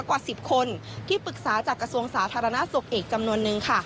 กว่า๑๐คนที่ปรึกษาจากกระทรวงสาธารณสุขอีกจำนวนนึงค่ะ